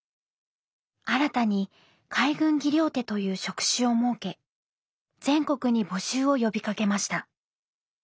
新たに海軍技療手という職種を設け全国に募集を呼びかけました。